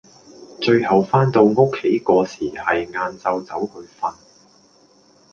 最後返到屋企個時係晏晝走去瞓